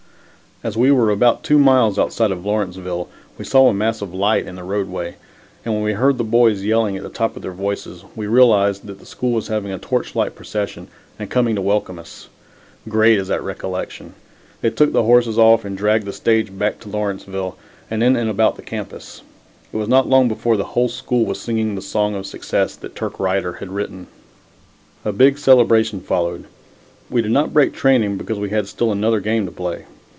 As we were about two miles outside of Lawrenceville, we saw a mass of light in the roadway, and when we heard the boys yelling at the top of their voices, we realized that the school was having a torch light procession and coming to welcome us. Great is that recollection! They took the horses off and dragged the stage back to Lawrenceville and in and about the campus. It was not long before the whole school was singing the song of success that Turk Righter had written. A big celebration followed. We did not break training because we had still another game to play.